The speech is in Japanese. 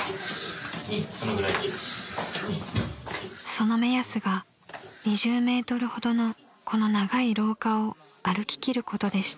［その目安が２０ｍほどのこの長い廊下を歩ききることでした］